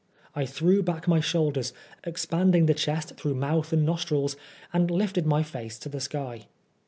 I threw back my shoulders, expanding the chest through mouth and nostrils, and lifted my face to the sky.